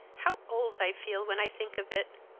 How old I feel when I think of it